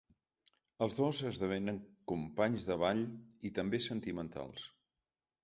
Els dos esdevenen companys de ball i també sentimentals.